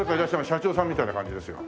社長さんみたいな感じですよ。